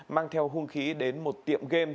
mang theo hung khí đến một tiệm game